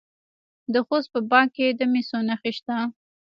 د خوست په باک کې د مسو نښې شته.